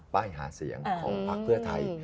ป้ายหาเสียงของพักเพื่อไทย